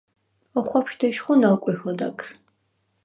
ოხვაფშვდ ეშხუ, ნალკვიჰვ ოდაგრ.